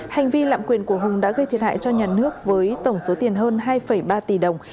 hành vi lạm quyền của hùng đã gây thiệt hại cho nhà nước với tổng số tiền hơn hai ba tỷ đồng